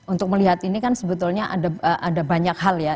untuk melihat ini kan sebetulnya ada banyak hal ya